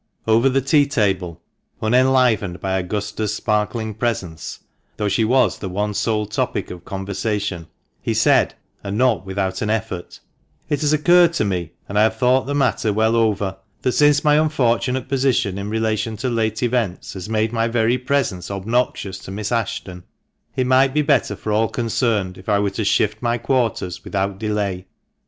Over the tea table, unenlivened by Augusta's sparkling presence, though she was the one sole topic of conversation — he said, and not without an effort —" It has occurred to me, and I have thought the matter well over, that since my unfortunate position in relation to late events has made my very presence obnoxious to Miss Ashton it might be better for all concerned if I were to shift my quarters without delay.